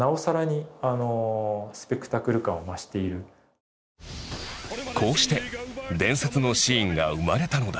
結果的にですけどこうして伝説のシーンが生まれたのだ。